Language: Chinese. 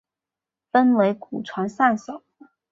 分为古传散手。